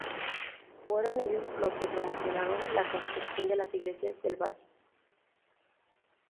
Fueron ellos los que promocionaron la construcción de las iglesias del Valle.